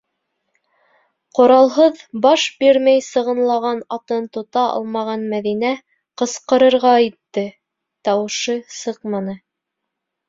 Ҡоралһыҙ, баш бирмәй сығынлаған атын тота алмаған Мәҙинә ҡысҡырырға итте - тауышы сыҡманы.